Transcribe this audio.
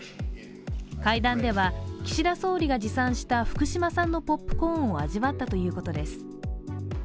会談では、岸田総理が持参した福島産のポップコーンを味わったということです。